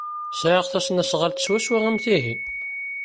Sɛiɣ tasnasɣalt swaswa am tihin.